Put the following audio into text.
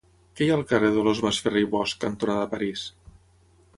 Què hi ha al carrer Dolors Masferrer i Bosch cantonada París?